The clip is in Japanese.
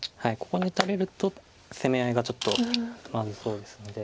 ここに打たれると攻め合いがちょっとまずそうですので。